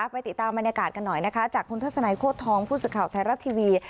ไปติดตามบรรยากาศกันหน่อยนะคะจากคุณทัศนัยโคตรทองผู้สื่อข่าวไทยรัฐทีวี